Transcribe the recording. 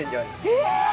え！